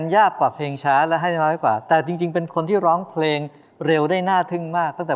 อย่างคล้ายพี่เอฟ่าค่ะ